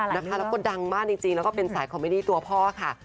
แล้วก็ดังมากจริงแล้วก็เป็นสายคอมมิดี้ตัวพ่อค่ะ